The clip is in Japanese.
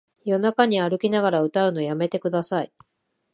夜中に歩きながら歌うのやめてください